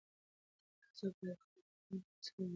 هر څوک باید خپل ټولنیز مسؤلیت ادا کړي.